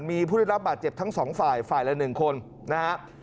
มีผู้ได้รับบาดเจ็บทั้งสองฝ่ายฝ่ายละ๑คนนะครับ